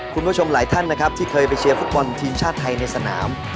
คุณผู้ชมหลายท่านนะครับที่เคยไปเชียร์ฟุตบอลทีมชาติไทยในสนาม